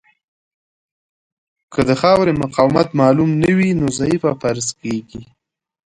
که د خاورې مقاومت معلوم نه وي نو ضعیفه فرض کیږي